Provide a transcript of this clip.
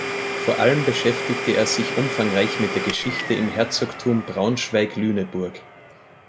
Vor allem beschäftigte er sich umfangreich mit der Geschichte im Herzogtum Braunschweig-Lüneburg.